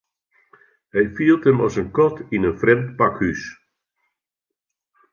Hy fielt him as in kat yn in frjemd pakhús.